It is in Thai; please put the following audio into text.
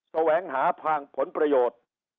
แสวงหาทางผลประโยชน์